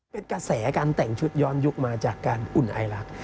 เป็นกระแสการแต่งชุดย้อนยุคมาจากการอุ่นไอรักษ